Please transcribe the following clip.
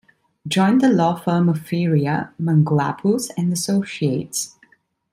Joined the Law Firm of Feria, Manglapus and Associates.